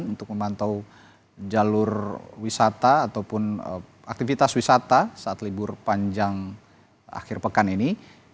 untuk memantau jalur wisata ataupun aktivitas wisata saat libur panjang akhir pekan ini